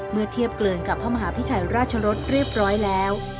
เมื่อเทียบเกินกับพระมหาพิชัยราชรสเรียบร้อยแล้ว